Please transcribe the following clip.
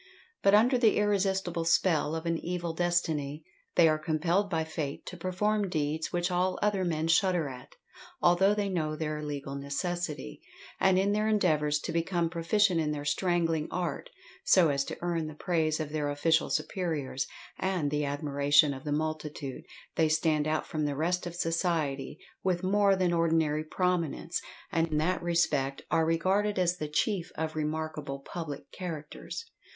But under the irresistable spell of an evil destiny, they are compelled by fate to perform deeds which all other men shudder at, although they know their legal necessity; and in their endeavours to become proficient in their strangling art, so as to earn the praise of their official superiors, and the admiration of the multitude, they stand out from the rest of society with more than ordinary prominence, and in that respect are regarded as the chief of remarkable public characters.